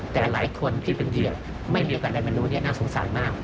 แต่หลายคนที่เป็นเหยื่อไม่มีโอกาสได้มารู้เนี่ยน่าสงสารมาก